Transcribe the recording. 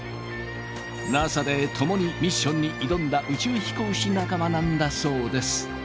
ＮＡＳＡでともにミッションに挑んだ宇宙飛行士仲間なんだそうです。